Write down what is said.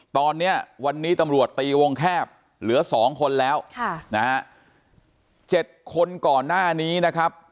ตอนนี้วันนี้ตำรวจตีวงแคบเหลือสองคนแล้วค่ะนะฮะ๗คนก่อนหน้านี้นะครับ